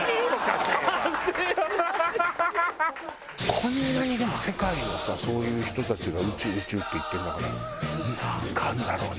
こんなにでも世界のさそういう人たちが宇宙宇宙って言ってるんだからなんかあるんだろうね！